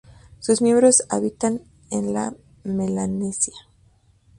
Sus miembros habitan en la Melanesia.